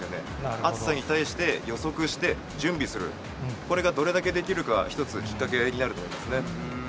暑さに対して予測して準備する、これがどれだけできるかが、一つきっかけになると思いますね。